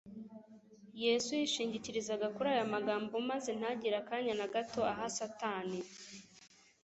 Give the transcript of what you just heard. Yesu yishingikirizaga kuri aya magambo, maze ntagire akanya na gato aha Satani.